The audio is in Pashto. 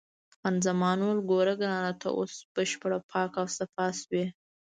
خان زمان وویل: ګوره ګرانه، ته اوس بشپړ پاک او صاف شوې.